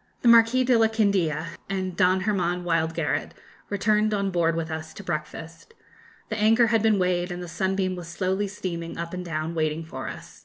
] The Marquis de la Candia and Don Hermann Wildgaret returned on board with us to breakfast. The anchor had been weighed, and the 'Sunbeam' was slowly steaming up and down, waiting for us.